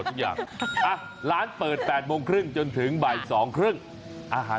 นี่อะไรอันนี้ผนมถ้วยอ่ะ